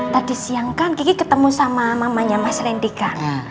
tadi siang kan kiki ketemu sama mamanya mas rendika